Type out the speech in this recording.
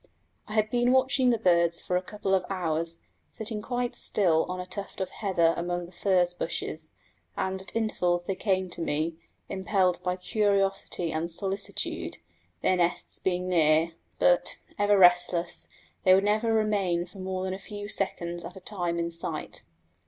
I had been watching the birds for a couple of hours, sitting quite still on a tuft of heather among the furze bushes, and at intervals they came to me, impelled by curiosity and solicitude, their nests being near, but, ever restless, they would never remain more than a few seconds at a time in sight.